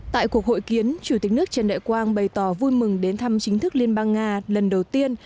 tại cuộc hội kiến chủ tịch nước trần đại quang bày tỏ vui mừng đến thăm chính thức liên bang nga lần đầu tiên